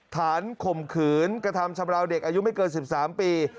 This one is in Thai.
ข่มขืนกระทำชำราวเด็กอายุไม่เกิน๑๓ปี